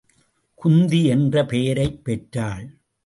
குந்தி என்ற பெயரைப் பெற்றாள்.